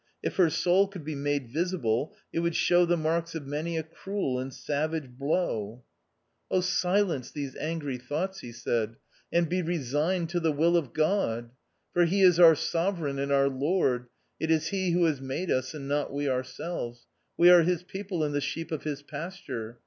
If her soul could be made visible, it would show the marks of many a cruel and savage blow." 2i2 THE OUTCAST. " Oh, silence these angry thoughts," he said, " and be resigned to the will of God. For he is our sovereign and our Lord ; it is he who has made us and not we ourselves ; we are his people, and the sheep of his pasture.